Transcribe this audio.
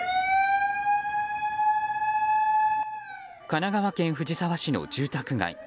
神奈川県藤沢市の住宅街。